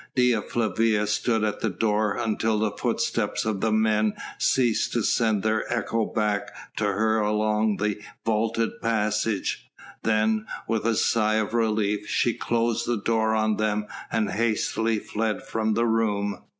Dea Flavia stood at the door until the footsteps of the men ceased to send their echo back to her along the vaulted passage. Then, with a sigh of relief, she closed the door on them and hastily fled from the room.